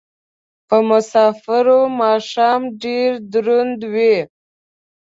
په مسافرو ماښام ډېر دروند وي